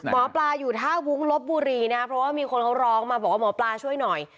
หมอปลาอยู่ท่าวุ้งลบบุรีนะเพราะว่ามีคนเขาร้องมาบอกว่าหมอปลาช่วยหน่อย